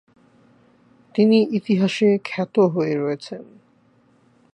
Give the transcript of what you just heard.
তিনি ইতিহাসে খ্যাত হয়ে রয়েছেন।